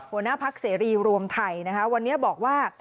หัวหน้าภักร์เสรีรวมไทยวันนี้บอกว่า